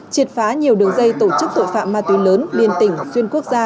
triệt phá nhiều đường dây tổ chức tội phạm ma túy lớn liên tỉnh xuyên quốc gia